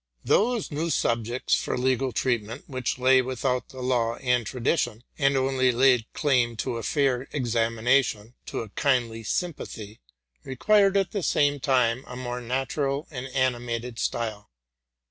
Those new subjects for legal treatment, which lay without the law and tradition, and only laid claim to a fair examination, to a kindly sympathy, required, at the same time, a more natural and animated style.